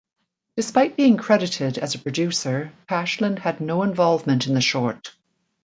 Despite being credited as a producer, Tashlin had no involvement in the short.